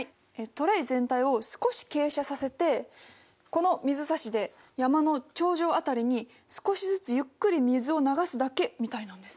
トレー全体を少し傾斜させてこの水差しで山の頂上辺りに少しずつゆっくり水を流すだけみたいなんです。